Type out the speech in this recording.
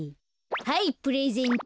はいプレゼント。